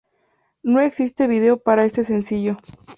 No existe video para este sencillo.